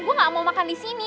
gue gak mau makan disini